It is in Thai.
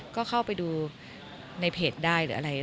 ก็เข้าไปดูในเพจได้หรืออะไร